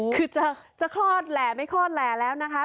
คือจะคลอดแหล่ไม่คลอดแหล่แล้วนะคะ